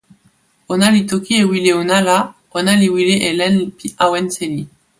ona li toki e wile ona la, ona li wile e len pi awen seli.